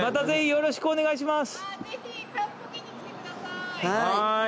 よろしくお願いします。